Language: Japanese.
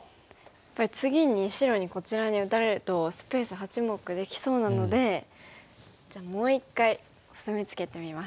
やっぱり次に白にこちらに打たれるとスペース８目できそうなのでじゃあもう一回コスミツケてみます。